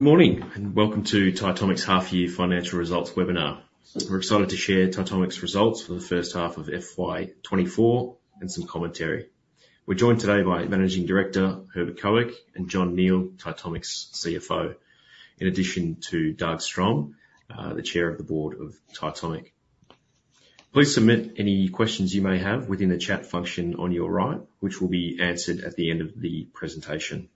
Morning and welcome to Titomic's half-year financial results webinar. We're excited to share Titomic's results for the first half of FY24 and some commentary. We're joined today by Managing Director Herbert Koeck and Jon Nield, Titomic's CFO, in addition to Dag Stromme, the Chair of the Board of Titomic. Please submit any questions you may have within the chat function on your right, which will be answered at the end of the presentation.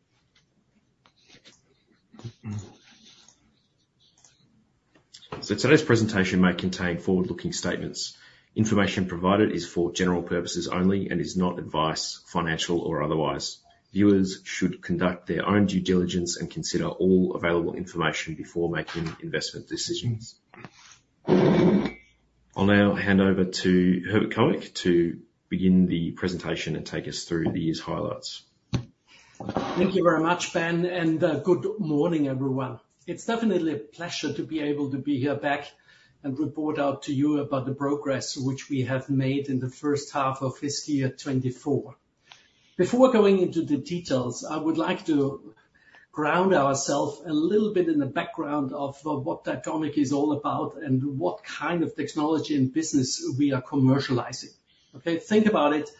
Today's presentation may contain forward-looking statements. Information provided is for general purposes only and is not advice, financial or otherwise. Viewers should conduct their own due diligence and consider all available information before making investment decisions. I'll now hand over to Herbert Koeck to begin the presentation and take us through the year's highlights. Thank you very much, Ben, and good morning, everyone. It's definitely a pleasure to be able to be here back and report out to you about the progress which we have made in the first half of fiscal year 2024. Before going into the details, I would like to ground ourselves a little bit in the background of what Titomic is all about and what kind of technology and business we are commercializing. Okay, think about it: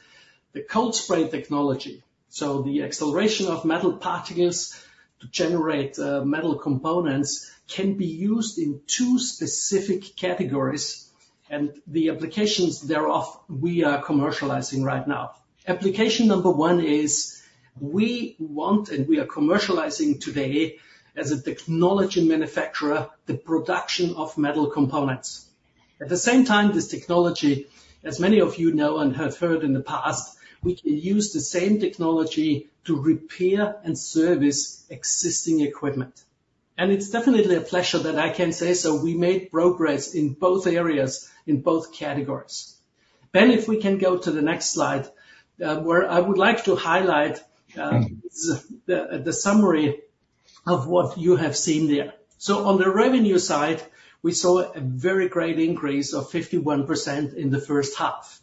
the cold spray technology. So the acceleration of metal particles to generate metal components can be used in two specific categories, and the applications thereof we are commercializing right now. Application number one is we want and we are commercializing today as a technology manufacturer the production of metal components. At the same time, this technology, as many of you know and have heard in the past, we can use the same technology to repair and service existing equipment. It's definitely a pleasure that I can say so. We made progress in both areas, in both categories. Ben, if we can go to the next slide, where I would like to highlight the summary of what you have seen there. On the revenue side, we saw a very great increase of 51% in the first half.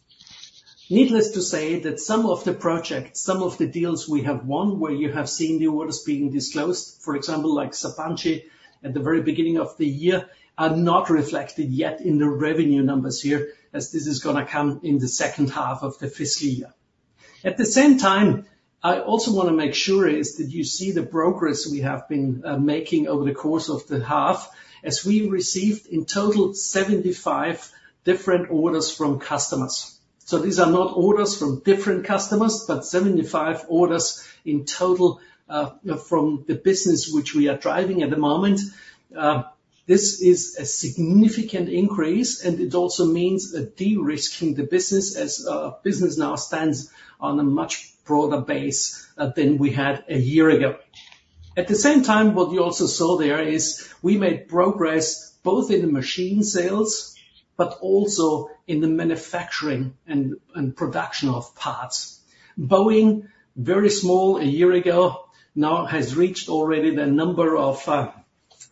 Needless to say that some of the projects, some of the deals we have won where you have seen the orders being disclosed, for example, like Sabancı at the very beginning of the year, are not reflected yet in the revenue numbers here, as this is going to come in the second half of the fiscal year. At the same time, I also want to make sure that you see the progress we have been making over the course of the half, as we received in total 75 different orders from customers. So these are not orders from different customers, but 75 orders in total from the business which we are driving at the moment. This is a significant increase, and it also means de-risking the business as business now stands on a much broader base than we had a year ago. At the same time, what you also saw there is we made progress both in the machine sales but also in the manufacturing and production of parts. Boeing, very small a year ago, now has reached already the number of,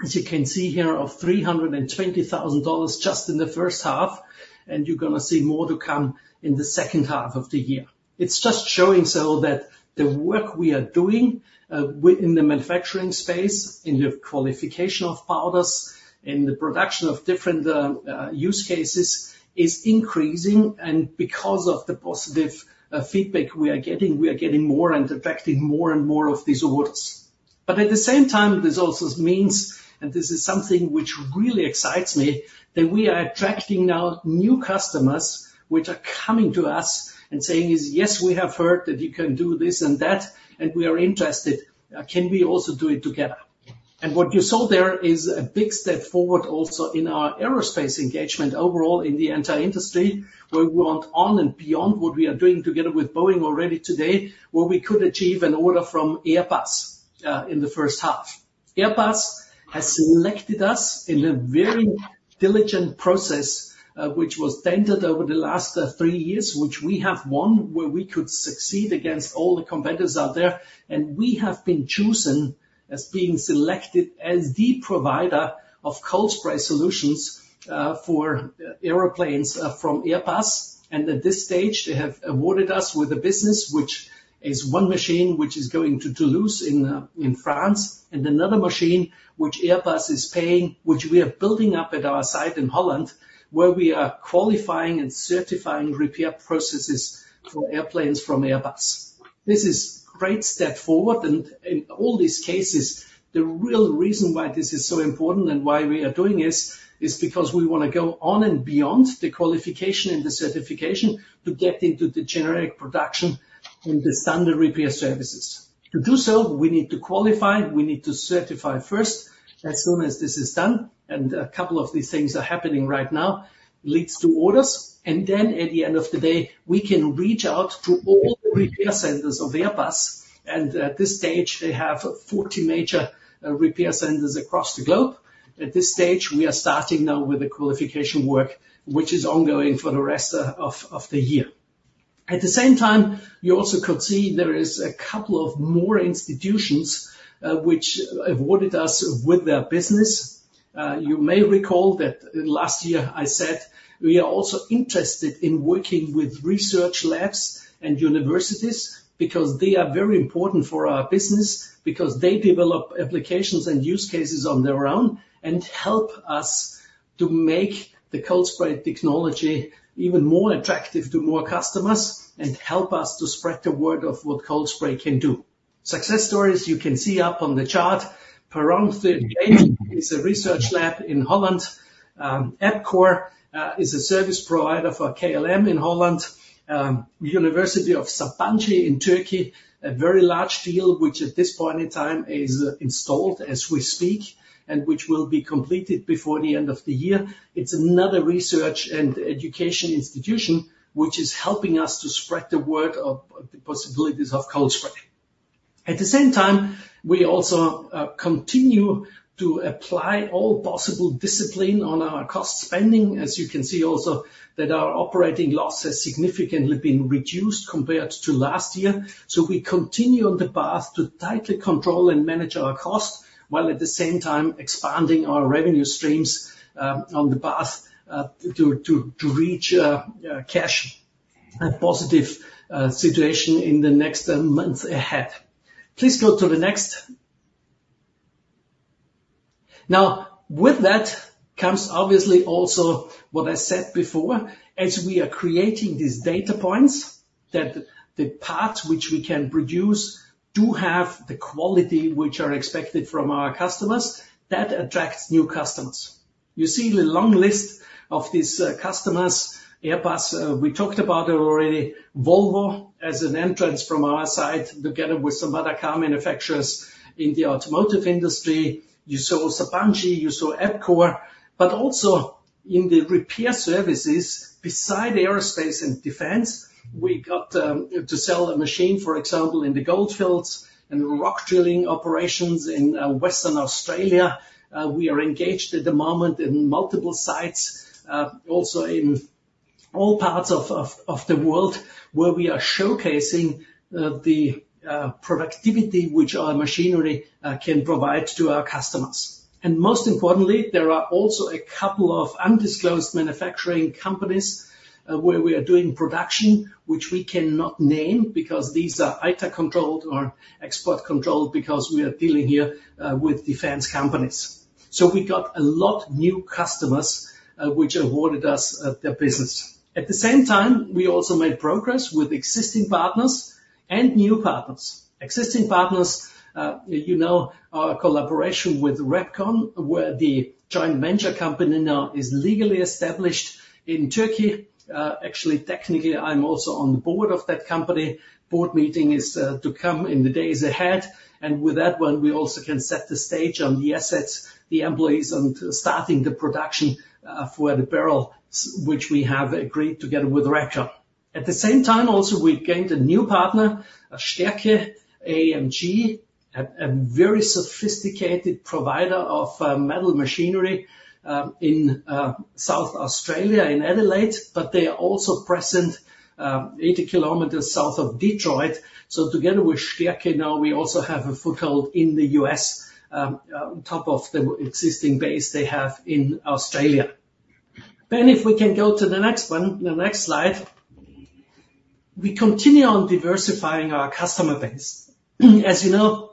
as you can see here, of 320,000 dollars just in the first half, and you're going to see more to come in the second half of the year. It's just showing so that the work we are doing in the manufacturing space, in the qualification of powders, in the production of different use cases, is increasing. And because of the positive feedback we are getting, we are getting more and attracting more and more of these orders. But at the same time, this also means, and this is something which really excites me, that we are attracting now new customers which are coming to us and saying, "Yes, we have heard that you can do this and that, and we are interested. Can we also do it together?" What you saw there is a big step forward also in our aerospace engagement overall in the entire industry, where we want on and beyond what we are doing together with Boeing already today, where we could achieve an order from Airbus in the first half. Airbus has selected us in a very diligent process which was extended over the last three years, which we have won, where we could succeed against all the competitors out there. We have been chosen as being selected as the provider of cold spray solutions for airplanes from Airbus. At this stage, they have awarded us with a business which is one machine which is going to Toulouse in France and another machine which Airbus is paying, which we are building up at our site in Holland, where we are qualifying and certifying repair processes for airplanes from Airbus. This is a great step forward. In all these cases, the real reason why this is so important and why we are doing this is because we want to go on and beyond the qualification and the certification to get into the generic production and the standard repair services. To do so, we need to qualify. We need to certify first as soon as this is done. A couple of these things are happening right now. It leads to orders. Then at the end of the day, we can reach out to all the repair centers of Airbus. At this stage, they have 40 major repair centers across the globe. At this stage, we are starting now with the qualification work, which is ongoing for the rest of the year. At the same time, you also could see there is a couple of more institutions which awarded us with their business. You may recall that last year I said we are also interested in working with research labs and universities because they are very important for our business, because they develop applications and use cases on their own and help us to make the cold spray technology even more attractive to more customers and help us to spread the word of what cold spray can do. Success stories you can see up on the chart. Perron is a research lab in Holland. EPCOR is a service provider for KLM in Holland. Sabancı University in Turkey, a very large deal which at this point in time is installed as we speak and which will be completed before the end of the year. It's another research and education institution which is helping us to spread the word of the possibilities of cold spray. At the same time, we also continue to apply all possible discipline on our cost spending. As you can see also, that our operating loss has significantly been reduced compared to last year. So we continue on the path to tightly control and manage our cost while at the same time expanding our revenue streams on the path to reach a cash positive situation in the next month ahead. Please go to the next. Now, with that comes obviously also what I said before. As we are creating these data points, that the parts which we can produce do have the quality which are expected from our customers, that attracts new customers. You see the long list of these customers. Airbus, we talked about it already. Volvo as an entrance from our side together with some other car manufacturers in the automotive industry. You saw Sabancı. You saw EPCOR. But also in the repair services, beside aerospace and defense, we got to sell a machine, for example, in the Goldfields and rock drilling operations in Western Australia. We are engaged at the moment in multiple sites, also in all parts of the world, where we are showcasing the productivity which our machinery can provide to our customers. Most importantly, there are also a couple of undisclosed manufacturing companies where we are doing production which we cannot name because these are ITAR-controlled or export-controlled because we are dealing here with defense companies. So we got a lot of new customers which awarded us their business. At the same time, we also made progress with existing partners and new partners. Existing partners, you know, our collaboration with Repkon, where the joint venture company now is legally established in Turkey. Actually, technically, I'm also on the board of that company. Board meeting is to come in the days ahead. And with that one, we also can set the stage on the assets, the employees, and starting the production for the barrel which we have agreed together with Repkon. At the same time, also, we gained a new partner, Stärke AMG, a very sophisticated provider of metal machinery in South Australia, in Adelaide. But they are also present 80 km south of Detroit. So together with Stärke now, we also have a foothold in the U.S. on top of the existing base they have in Australia. Ben, if we can go to the next one, the next slide. We continue on diversifying our customer base. As you know,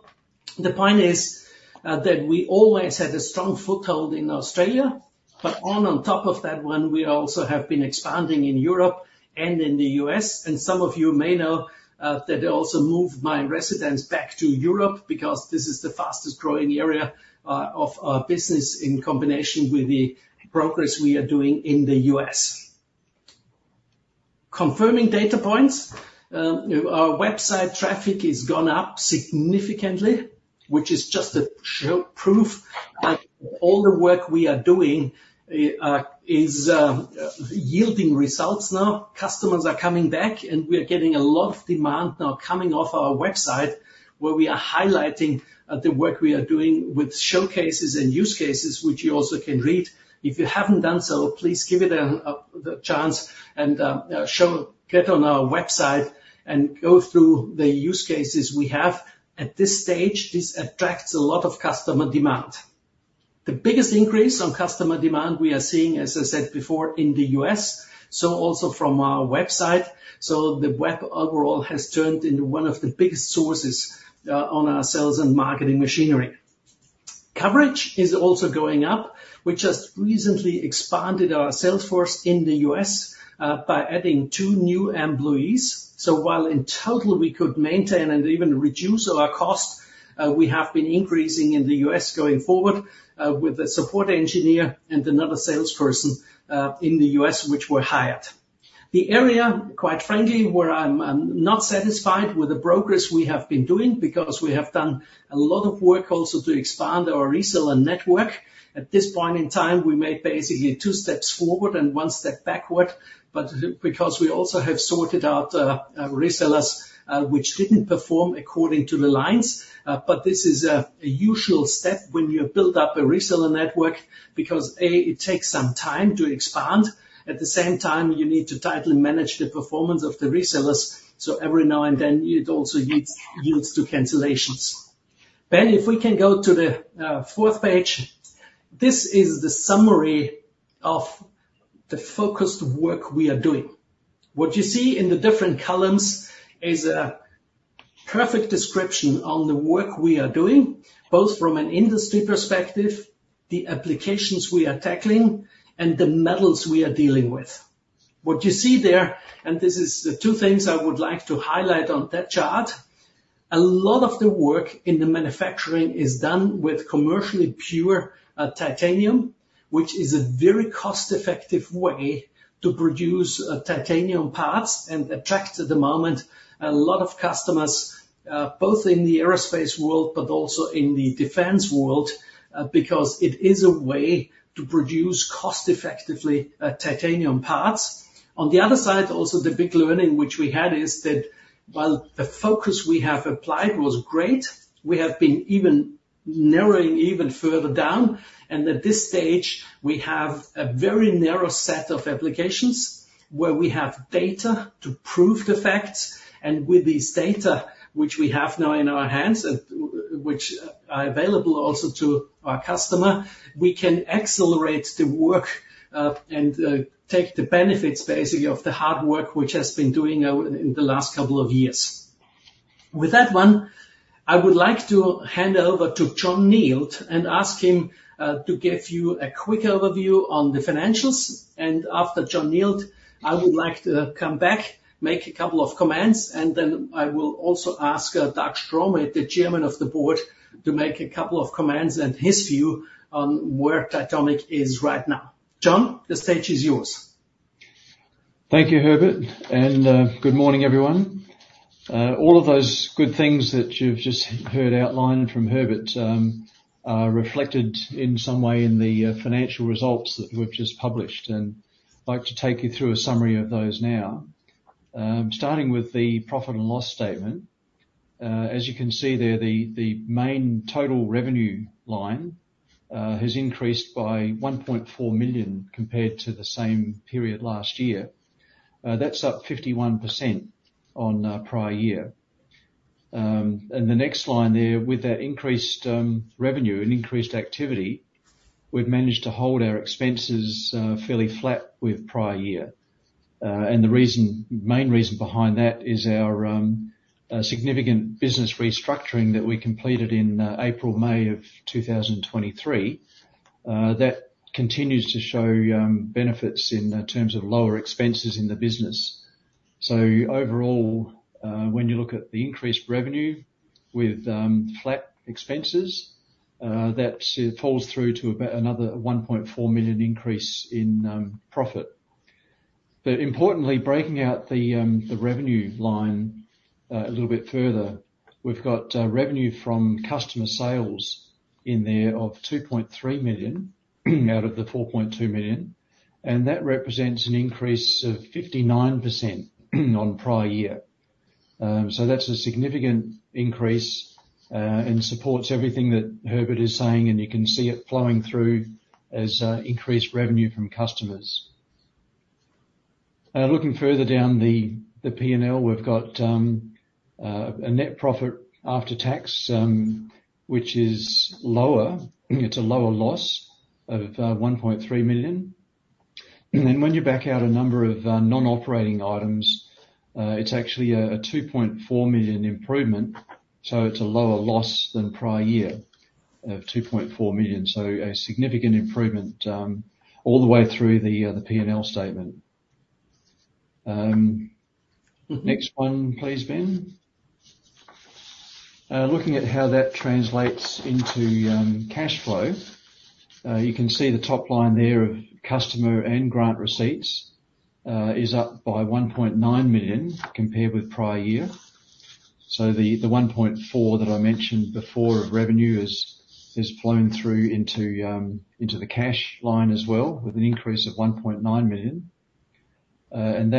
the point is that we always had a strong foothold in Australia. But on top of that one, we also have been expanding in Europe and in the U.S. And some of you may know that I also moved my residence back to Europe because this is the fastest growing area of our business in combination with the progress we are doing in the U.S. Confirming data points, our website traffic has gone up significantly, which is just to show proof that all the work we are doing is yielding results now. Customers are coming back, and we are getting a lot of demand now coming off our website where we are highlighting the work we are doing with showcases and use cases which you also can read. If you haven't done so, please give it a chance and get on our website and go through the use cases we have. At this stage, this attracts a lot of customer demand. The biggest increase on customer demand we are seeing, as I said before, in the U.S., so also from our website. So the web overall has turned into one of the biggest sources on our sales and marketing machinery. Coverage is also going up. We just recently expanded our sales force in the U.S. by adding two new employees. So while in total we could maintain and even reduce our cost, we have been increasing in the U.S. going forward with a support engineer and another salesperson in the U.S. which were hired. The area, quite frankly, where I'm not satisfied with the progress we have been doing because we have done a lot of work also to expand our reseller network. At this point in time, we made basically two steps forward and one step backward. But because we also have sorted out resellers which didn't perform according to the lines. But this is a usual step when you build up a reseller network because, A, it takes some time to expand. At the same time, you need to tightly manage the performance of the resellers. So every now and then, it also leads to cancellations. Ben, if we can go to the fourth page. This is the summary of the focused work we are doing. What you see in the different columns is a perfect description on the work we are doing, both from an industry perspective, the applications we are tackling, and the metals we are dealing with. What you see there, and this is the two things I would like to highlight on that chart, a lot of the work in the manufacturing is done with commercially pure titanium, which is a very cost-effective way to produce titanium parts and attract at the moment a lot of customers, both in the aerospace world but also in the defense world, because it is a way to produce cost-effectively titanium parts. On the other side, also, the big learning which we had is that while the focus we have applied was great, we have been narrowing even further down. At this stage, we have a very narrow set of applications where we have data to prove the facts. With this data which we have now in our hands, which are available also to our customer, we can accelerate the work and take the benefits, basically, of the hard work which has been doing in the last couple of years. With that one, I would like to hand over to Jon Nield and ask him to give you a quick overview on the financials. After Jon Nield, I would like to come back, make a couple of comments Then I will also ask Dag Stromme, the chairman of the board, to make a couple of comments and his view on where Titomic is right now. Jon, the stage is yours. Thank you, Herbert. Good morning, everyone. All of those good things that you've just heard outlined from Herbert are reflected in some way in the financial results that we've just published. I'd like to take you through a summary of those now. Starting with the profit and loss statement, as you can see there, the main total revenue line has increased by 1.4 million compared to the same period last year. That's up 51% on prior year. The next line there, with that increased revenue and increased activity, we've managed to hold our expenses fairly flat with prior year. The main reason behind that is our significant business restructuring that we completed in April, May of 2023. That continues to show benefits in terms of lower expenses in the business. So overall, when you look at the increased revenue with flat expenses, that falls through to another 1.4 million increase in profit. But importantly, breaking out the revenue line a little bit further, we've got revenue from customer sales in there of 2.3 million out of the 4.2 million. And that represents an increase of 59% on prior year. So that's a significant increase and supports everything that Herbert is saying. And you can see it flowing through as increased revenue from customers. Looking further down the P&L, we've got a net profit after tax which is lower. It's a lower loss of 1.3 million. When you back out a number of non-operating items, it's actually a 2.4 million improvement. It's a lower loss than prior year of 2.4 million. A significant improvement all the way through the P&L statement. Next one, please, Ben. Looking at how that translates into cash flow, you can see the top line there of customer and grant receipts is up by 1.9 million compared with prior year. The 1.4 million that I mentioned before of revenue has flown through into the cash line as well with an increase of 1.9 million. And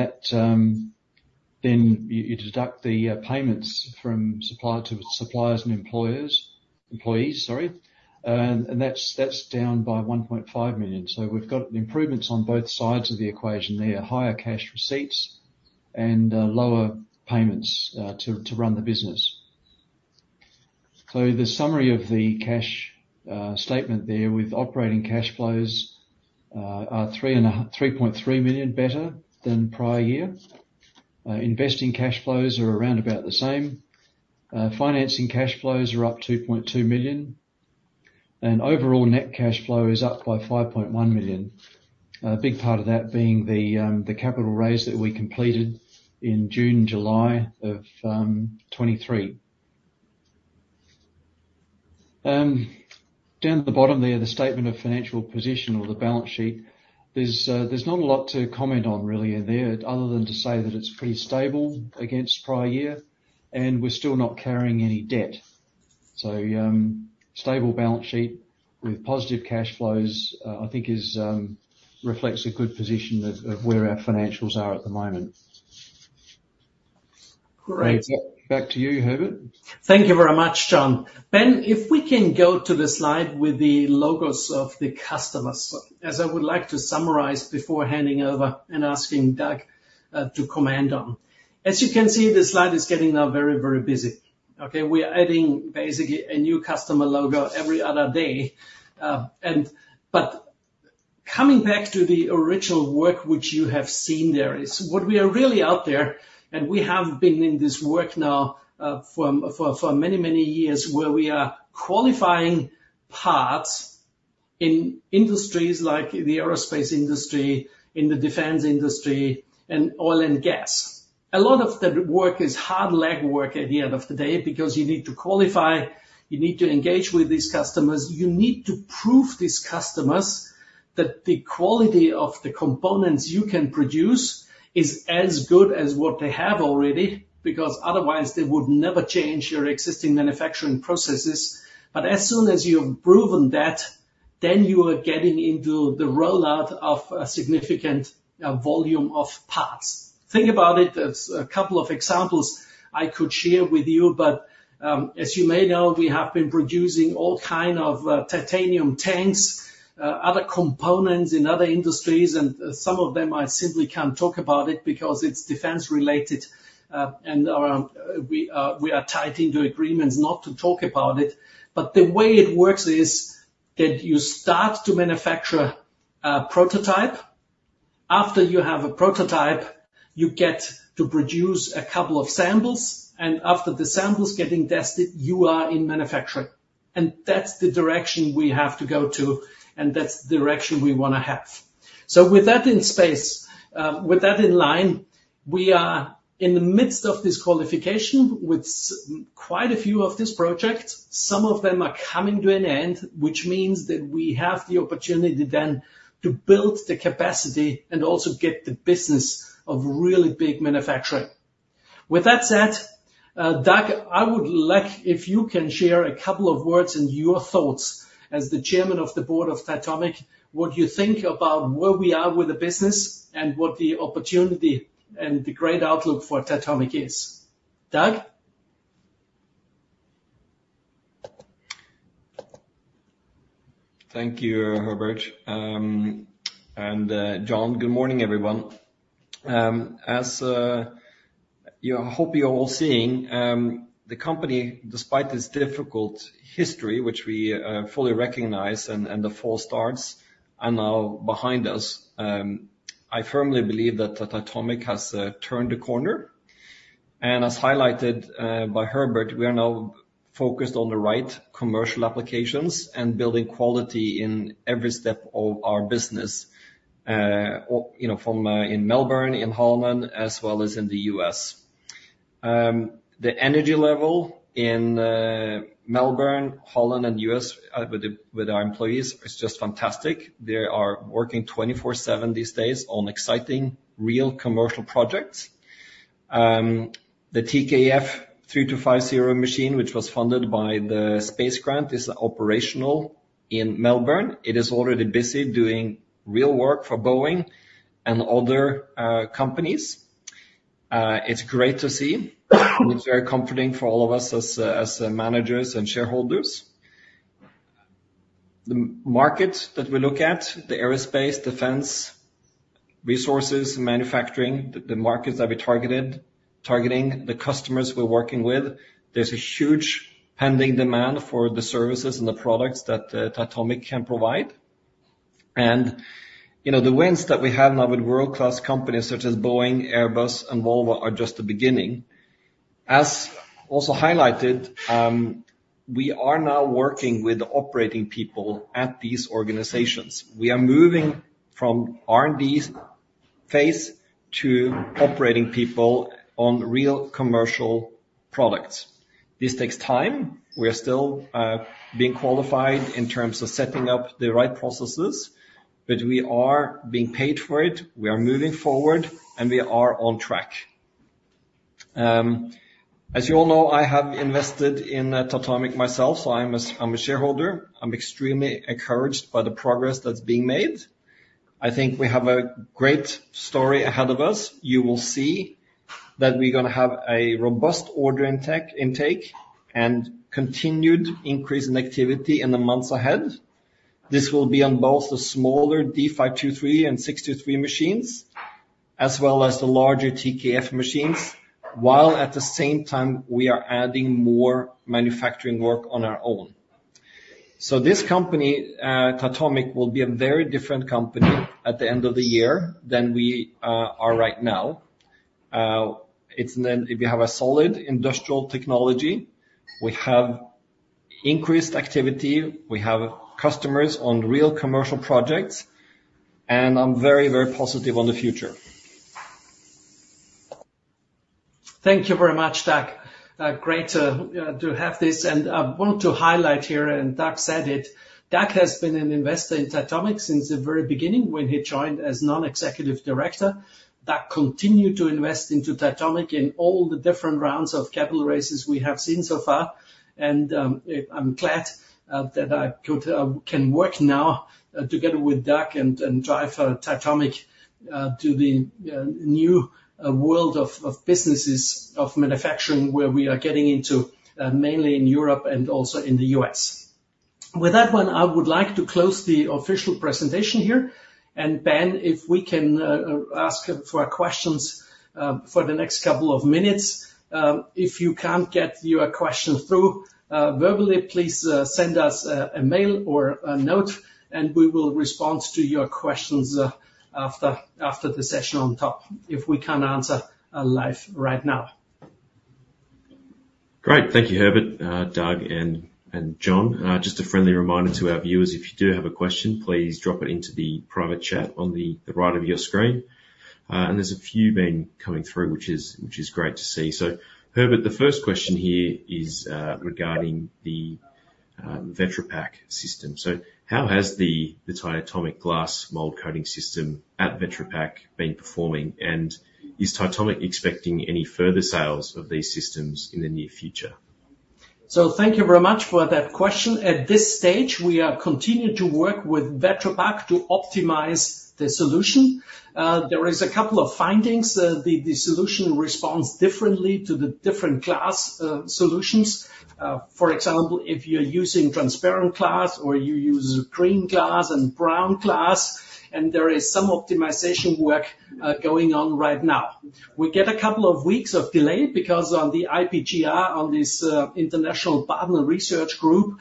then you deduct the payments from suppliers and employees, sorry. And that's down by 1.5 million. We've got improvements on both sides of the equation there, higher cash receipts and lower payments to run the business. So the summary of the cash statement there with operating cash flows are 3.3 million better than prior year. Investing cash flows are around about the same. Financing cash flows are up 2.2 million. And overall net cash flow is up by 5.1 million, a big part of that being the capital raise that we completed in June, July of 2023. Down at the bottom there, the statement of financial position or the balance sheet, there's not a lot to comment on, really, in there other than to say that it's pretty stable against prior year. And we're still not carrying any debt. So stable balance sheet with positive cash flows, I think, reflects a good position of where our financials are at the moment. Great. Back to you, Herbert. Thank you very much, Jon. Ben, if we can go to the slide with the logos of the customers, as I would like to summarize before handing over and asking Dag to comment on. As you can see, the slide is getting now very, very busy. Okay? We are adding, basically, a new customer logo every other day. But coming back to the original work which you have seen there is what we are really out there and we have been in this work now for many, many years where we are qualifying parts in industries like the aerospace industry, in the defense industry, and oil and gas. A lot of that work is hard leg work at the end of the day because you need to qualify. You need to engage with these customers. You need to prove these customers that the quality of the components you can produce is as good as what they have already because otherwise, they would never change your existing manufacturing processes. But as soon as you have proven that, then you are getting into the rollout of a significant volume of parts. Think about it. There's a couple of examples I could share with you. But as you may know, we have been producing all kinds of titanium tanks, other components in other industries. And some of them, I simply can't talk about it because it's defense-related. And we are tied into agreements not to talk about it. But the way it works is that you start to manufacture a prototype. After you have a prototype, you get to produce a couple of samples. And after the samples getting tested, you are in manufacturing. That's the direction we have to go to. That's the direction we want to have. With that in space, with that in line, we are in the midst of this qualification with quite a few of this project. Some of them are coming to an end, which means that we have the opportunity then to build the capacity and also get the business of really big manufacturing. With that said, Dag, I would like if you can share a couple of words and your thoughts as the chairman of the board of Titomic, what you think about where we are with the business and what the opportunity and the great outlook for Titomic is. Dag? Thank you, Herbert. And Jon, good morning, everyone. As I hope you're all seeing, the company, despite its difficult history, which we fully recognize, and the false starts are now behind us, I firmly believe that Titomic has turned the corner. As highlighted by Herbert, we are now focused on the right commercial applications and building quality in every step of our business from in Melbourne, in Holland, as well as in the U.S. The energy level in Melbourne, Holland, and U.S. with our employees is just fantastic. They are working 24/7 these days on exciting, real commercial projects. The TKF 3250 machine, which was funded by the space grant, is operational in Melbourne. It is already busy doing real work for Boeing and other companies. It's great to see. It's very comforting for all of us as managers and shareholders. The markets that we look at, the aerospace, defense, resources, manufacturing, the markets that we're targeting, the customers we're working with, there's a huge pending demand for the services and the products that Titomic can provide. The wins that we have now with world-class companies such as Boeing, Airbus, and Volvo are just the beginning. As also highlighted, we are now working with operating people at these organizations. We are moving from R&D phase to operating people on real commercial products. This takes time. We are still being qualified in terms of setting up the right processes. We are being paid for it. We are moving forward. We are on track. As you all know, I have invested in Titomic myself. I'm a shareholder. I'm extremely encouraged by the progress that's being made. I think we have a great story ahead of us. You will see that we're going to have a robust order intake and continued increase in activity in the months ahead. This will be on both the smaller D523 and D623 machines as well as the larger TKF machines, while at the same time, we are adding more manufacturing work on our own. So this company, Titomic, will be a very different company at the end of the year than we are right now. We have a solid industrial technology. We have increased activity. We have customers on real commercial projects. And I'm very, very positive on the future. Thank you very much, Dag. Great to have this. I want to highlight here, and Dag said it, Dag has been an investor in Titomic since the very beginning when he joined as non-executive director. Dag continued to invest into Titomic in all the different rounds of capital raises we have seen so far. I'm glad that I can work now together with Dag and drive Titomic to the new world of businesses, of manufacturing, where we are getting into mainly in Europe and also in the U.S. With that one, I would like to close the official presentation here. Ben, if we can ask for questions for the next couple of minutes, if you can't get your questions through verbally, please send us a mail or a note. We will respond to your questions after the session on top if we can't answer live right now. Great. Thank you, Herbert, Dag, and Jon. Just a friendly reminder to our viewers, if you do have a question, please drop it into the private chat on the right of your screen. And there's a few been coming through, which is great to see. So Herbert, the first question here is regarding the Vetropack system. So how has the Titomic glass mold coating system at Vetropack been performing? And is Titomic expecting any further sales of these systems in the near future? So thank you very much for that question. At this stage, we are continuing to work with Vetropack to optimize the solution. There is a couple of findings. The solution responds differently to the different glass solutions. For example, if you're using transparent glass or you use green glass and brown glass, and there is some optimization work going on right now. We get a couple of weeks of delay because on the IPGR, on this international partner research group,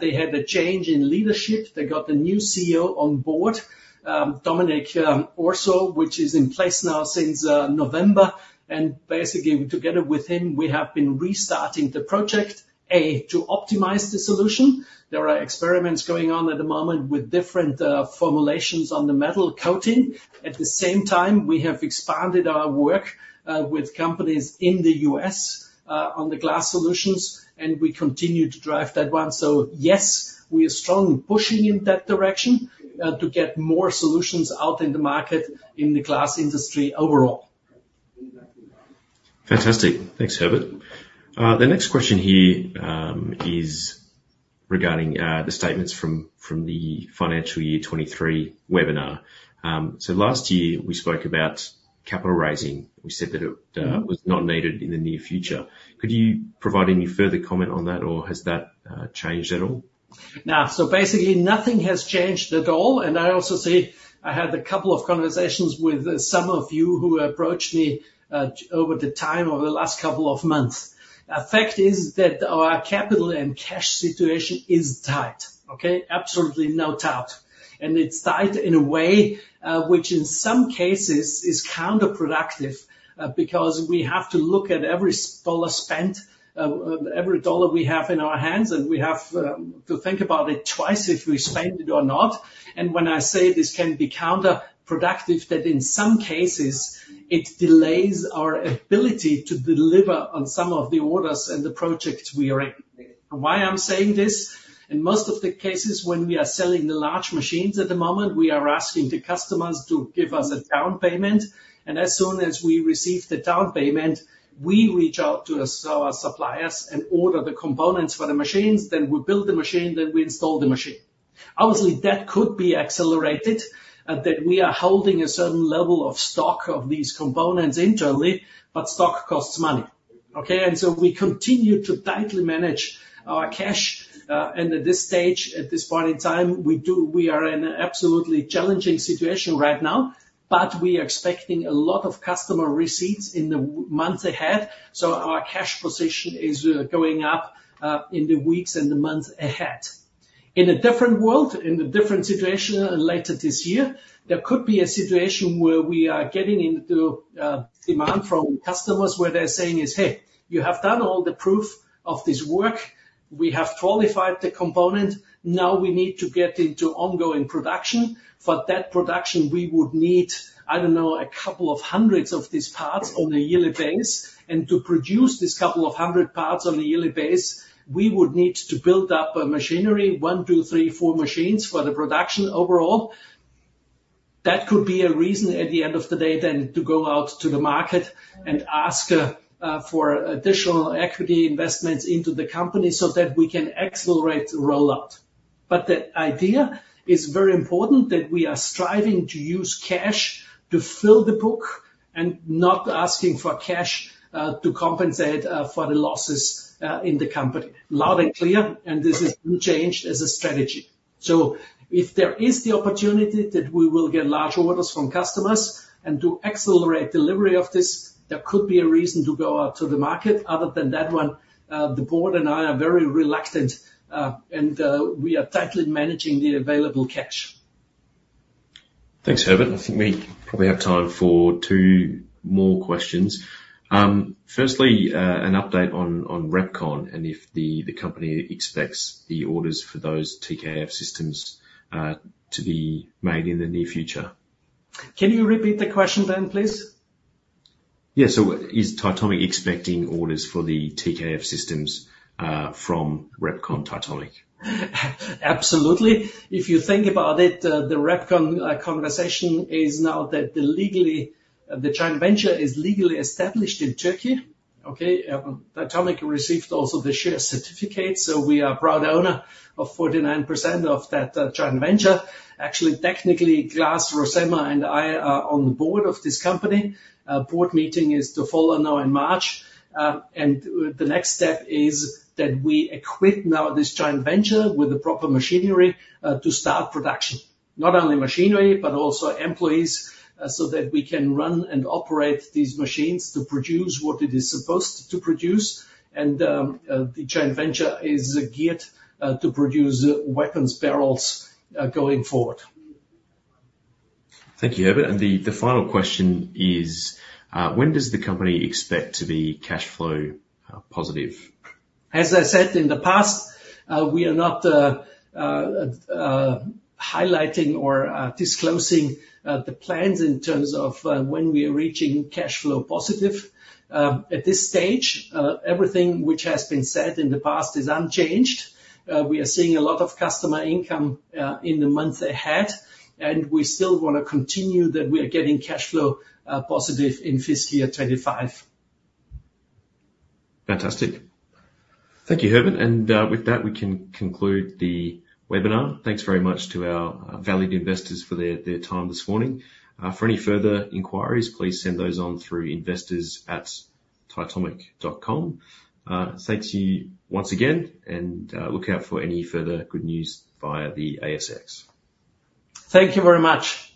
they had a change in leadership. They got a new CEO on board, Dominik Orzol, which is in place now since November. And basically, together with him, we have been restarting the project to optimize the solution. There are experiments going on at the moment with different formulations on the metal coating. At the same time, we have expanded our work with companies in the U.S. on the glass solutions. We continue to drive that one. Yes, we are strongly pushing in that direction to get more solutions out in the market in the glass industry overall. Fantastic. Thanks, Herbert. The next question here is regarding the statements from the financial year 2023 webinar. Last year, we spoke about capital raising. We said that it was not needed in the near future. Could you provide any further comment on that, or has that changed at all? No. So basically, nothing has changed at all. And I also say I had a couple of conversations with some of you who approached me over the time of the last couple of months. The fact is that our capital and cash situation is tight, okay? Absolutely no doubt. And it's tight in a way which, in some cases, is counterproductive because we have to look at every dollar spent, every dollar we have in our hands. And we have to think about it twice if we spend it or not. And when I say this can be counterproductive, that in some cases, it delays our ability to deliver on some of the orders and the projects we are in. Why I'm saying this? In most of the cases, when we are selling the large machines at the moment, we are asking the customers to give us a down payment. As soon as we receive the down payment, we reach out to our suppliers and order the components for the machines. Then we build the machine. Then we install the machine. Obviously, that could be accelerated, that we are holding a certain level of stock of these components internally. But stock costs money, okay? So we continue to tightly manage our cash. And at this stage, at this point in time, we are in an absolutely challenging situation right now. But we are expecting a lot of customer receipts in the months ahead. So our cash position is going up in the weeks and the months ahead. In a different world, in a different situation later this year, there could be a situation where we are getting into demand from customers where they're saying is, "Hey, you have done all the proof of this work. We have qualified the component. Now we need to get into ongoing production. For that production, we would need, I don't know, a couple hundred of these parts on a yearly basis. And to produce this couple hundred parts on a yearly basis, we would need to build up machinery, 1, 2, 3, 4 machines for the production overall." That could be a reason at the end of the day then to go out to the market and ask for additional equity investments into the company so that we can accelerate rollout. But the idea is very important that we are striving to use cash to fill the book and not asking for cash to compensate for the losses in the company loud and clear. And this has been changed as a strategy. If there is the opportunity that we will get large orders from customers and to accelerate delivery of this, there could be a reason to go out to the market. Other than that one, the board and I are very reluctant. We are tightly managing the available cash. Thanks, Herbert. I think we probably have time for two more questions. Firstly, an update on Repkon and if the company expects the orders for those TKF systems to be made in the near future. Can you repeat the question Ben, please? Yeah. So is Titomic expecting orders for the TKF systems from Repkon Titomic? Absolutely. If you think about it, the Repkon conversation is now that the joint venture is legally established in Turkey, okay? Titomic received also the share certificate. So we are a proud owner of 49% of that joint venture. Actually, technically, Klaas Rozema and I are on the board of this company. Board meeting is to follow now in March. And the next step is that we equip now this joint venture with the proper machinery to start production, not only machinery but also employees so that we can run and operate these machines to produce what it is supposed to produce. And the joint venture is geared to produce weapons barrels going forward. Thank you, Herbert. The final question is, when does the company expect to be cash flow positive? As I said in the past, we are not highlighting or disclosing the plans in terms of when we are reaching cash flow positive. At this stage, everything which has been said in the past is unchanged. We are seeing a lot of customer income in the months ahead. We still want to continue that we are getting cash flow positive in fiscal year 2025. Fantastic. Thank you, Herbert. With that, we can conclude the webinar. Thanks very much to our valued investors for their time this morning. For any further inquiries, please send those on through investors@titomic.com. Thank you once again. Look out for any further good news via the ASX. Thank you very much.